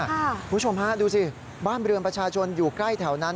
คุณผู้ชมฮะดูสิบ้านเรือนประชาชนอยู่ใกล้แถวนั้น